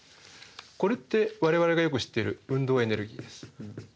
これって我々がよく知っている運動エネルギーです。